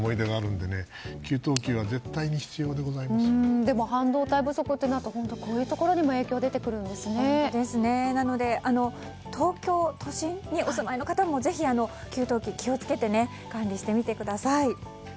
でも、半導体不足となるとこういうところにも影響が東京都心にお住まいの方もぜひ給湯器、気をつけて管理してみてください。